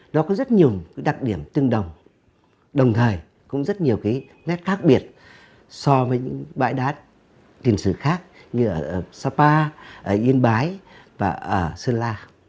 đó có rất nhiều đặc điểm tương đồng đồng thời cũng rất nhiều nét khác biệt so với những bãi đá tiền xử khác như ở sapa yên bái và sơn la